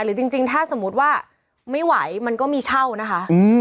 จริงถ้าสมมุติว่าไม่ไหวมันก็มีเช่านะคะ